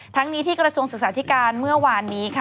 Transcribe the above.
ทั้งนี้ที่กระทรวงศึกษาธิการเมื่อวานนี้ค่ะ